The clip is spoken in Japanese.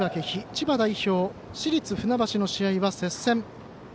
千葉代表、市立船橋の試合は接戦。